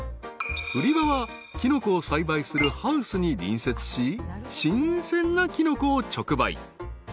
［売り場はキノコを栽培するハウスに隣接し新鮮なキノコを直売］